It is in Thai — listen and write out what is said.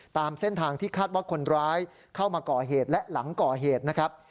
ตามเส้นทางที่คาดว่าคนร้ายเข้ามาก่อเหตุและหลังก่อเหตุนะครับ